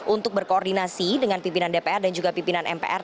untuk berkoordinasi dengan pimpinan dpr dan juga pimpinan mpr